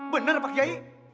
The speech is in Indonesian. bener pak kiai